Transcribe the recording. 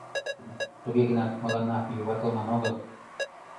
— Туге гынат мыланна юватылман огыл.